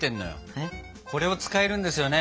これを使えるんですよね？